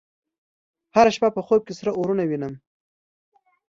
هره شپه په خوب کې سره اورونه وینم